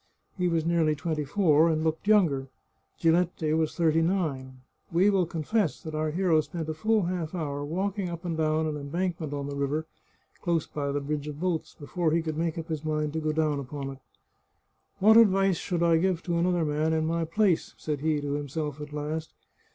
He was nearly twenty four, and looked younger. Giletti was thirty nine. We will confess that our hero spent a full half hour walking up and down an embankment on the river, close by the bridge of boats, before he could make up his mind to go down upon it. " What advice should I give to another man in my place ?" said he to himself at last.